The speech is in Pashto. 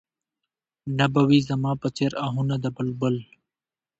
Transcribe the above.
نه به وي زما په څېر اهونه د بلبل